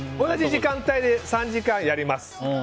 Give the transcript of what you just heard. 同じ時間帯で３時間やります。